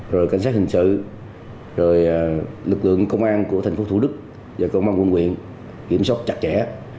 rồi cảnh sát hình sự rồi lực lượng công an của tp hcm và công an quân quyền kiểm soát chặt chẽ